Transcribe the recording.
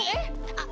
あっ？